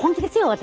私。